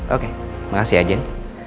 oke makasih ya jen